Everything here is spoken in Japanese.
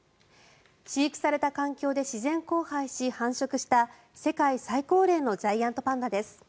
飼育された環境で自然交配し繁殖した世界最高齢のジャイアントパンダです。